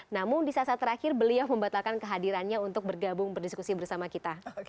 namun di saat saat terakhir beliau membatalkan kehadirannya untuk bergabung berdiskusi bersama kita